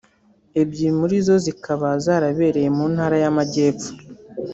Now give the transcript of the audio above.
ebyiri muri zo zikaba zarabereye mu ntara y’Amajyepfo